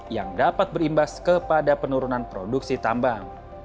yang dapat berimbas kepada penurunan produksi tambang